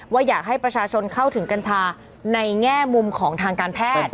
ว่าอยากให้ประชาชนเข้าถึงกัญชาในแง่มุมของทางการแพทย์